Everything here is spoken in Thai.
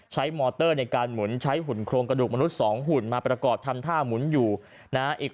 มอเตอร์ในการหมุนใช้หุ่นโครงกระดูกมนุษย์๒หุ่นมาประกอบทำท่าหมุนอยู่นะฮะอีก